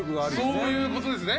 そういうことですね。